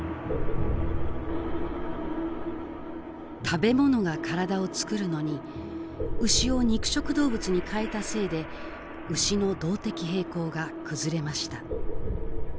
食べものが体をつくるのに牛を肉食動物に変えたせいで牛の「動的平衡」が崩れました